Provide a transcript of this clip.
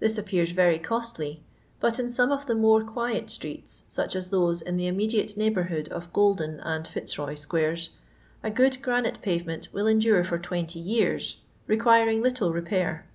This appears very costly; but in some of the more quiet streets, such as those in the immediate neighbourhood of Golden and Fitxroy squares, a good granite payement will endure for 20 years, requiring little repair.